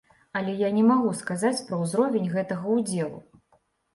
Але я не магу сказаць пра ўзровень гэтага ўдзелу.